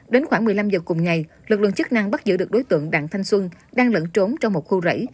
đến khoảng một mươi năm giờ cùng ngày lực lượng chức năng bắt giữ được đối tượng đặng thanh xuân đang lẫn trốn trong một khu rẫy